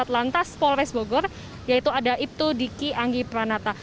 lantas polres bogor yaitu ada ibtu diki anggi pranata